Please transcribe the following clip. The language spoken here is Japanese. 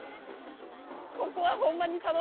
ここはホンマに頼む。